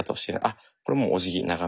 あっこれもうおじぎ長めにね。